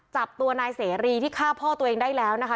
จับตัวนายเสรีที่ฆ่าพ่อตัวเองได้แล้วนะคะ